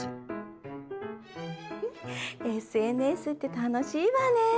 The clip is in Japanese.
ＳＮＳって楽しいわね！